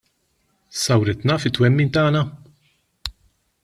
Sawritna fit-twemmin tagħna?